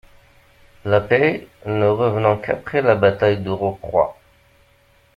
La paix ne revenant qu'après la bataille de Rocroi.